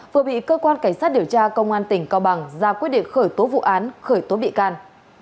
vừa bị cơ quan cảnh sát điều tra công an tỉnh cao bằng ra quyết định khởi tố vụ án khởi tố bị can